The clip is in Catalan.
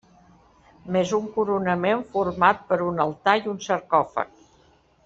Més un coronament format per un altar i un sarcòfag.